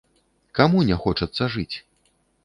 Каму не хочацца жыць?